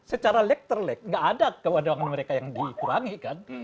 secara lek terlek gak ada kewadangan mereka yang dikurangikan